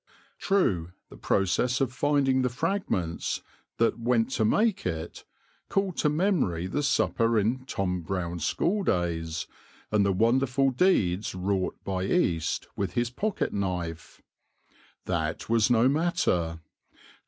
True the process of finding the fragments that went to make it called to memory the supper in Tom Brown's School days, and the wonderful deeds wrought by East with his pocket knife. That was no matter.